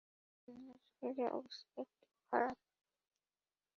মার শরীরের অবস্থা একটু খারাপ।